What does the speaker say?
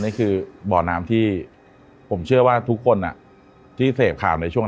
นี่คือบ่อน้ำที่ผมเชื่อว่าทุกคนที่เสพข่าวในช่วง